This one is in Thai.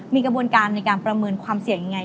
มีกระบวนการในการประเมินความเสี่ยงยังไง